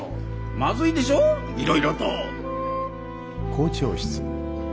まずいでしょういろいろと。